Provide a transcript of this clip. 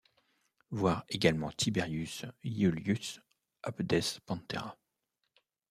Voir également Tiberius Iulius Abdes Pantera.